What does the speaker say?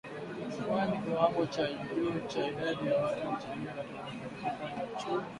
Kwani kiwango cha juu cha idadi ya watu kilichangia katika kupungua kwa ukuaji wa uchumi .